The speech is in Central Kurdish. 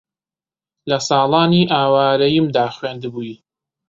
لە ساڵانی ئاوارەییمدا خوێندبووی